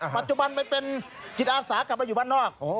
ปัจจุบันไปเป็นจิตอาสากลับมาอยู่บ้านนอก